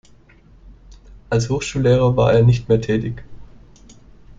Als Hochschullehrer war er nicht mehr tätig.